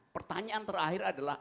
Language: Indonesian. pertanyaan terakhir adalah